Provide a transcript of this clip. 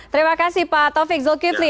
terima kasih pak taufik zulkifli